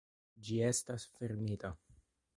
Ĝi estas fermita.